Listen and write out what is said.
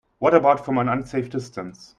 What about from an unsafe distance?